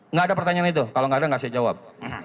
enggak ada pertanyaan itu kalau enggak ada enggak saya jawab